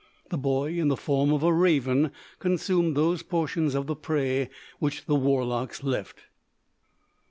The boy, in the form of a raven, consumed those portions of the prey which the warlocks left.